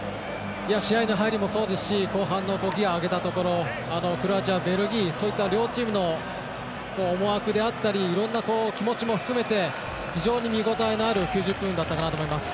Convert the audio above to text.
試合の入りもそうですし後半のギアを上げたところクロアチア、ベルギーそういった両チームの思惑であったり気持ちも含めて非常に見応えのある９０分だったと思います。